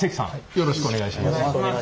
よろしくお願いします。